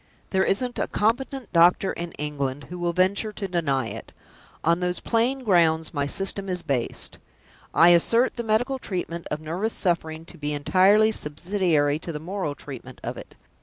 There isn't a competent doctor in England who will venture to deny it! On those plain grounds my System is based. I assert the medical treatment of nervous suffering to be entirely subsidiary to the moral treatment of it.